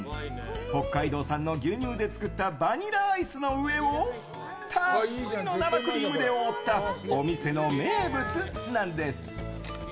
北海道産の牛乳で作ったバニラアイスのうえをたっぷりの生クリームで覆ったお店の名物なんです。